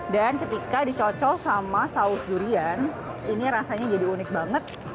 dan ketika dicocol sama saus durian ini rasanya jadi unik banget